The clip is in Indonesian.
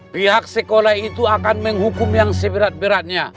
pihak sekolah itu akan menghukum yang seberat beratnya